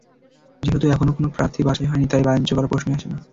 যেহেতু এখনো কোনো প্রার্থী বাছাই হয়নি, তাই বাণিজ্য করার প্রশ্নই আসে না।